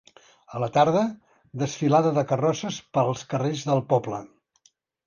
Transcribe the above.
A la tarda, desfilada de carrosses pels carrers del poble.